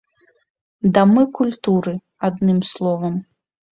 Дамы культуры, адным словам.